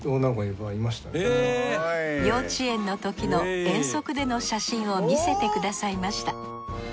幼稚園の時の遠足での写真を見せてくださいました。